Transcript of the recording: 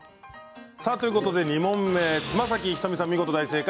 ということで２問目つま先、仁美さん、見事正解。